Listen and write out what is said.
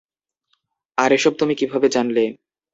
আর এসব তুমি কিভাবে জানলে?